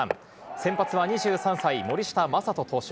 先発は２３歳、森下暢仁投手。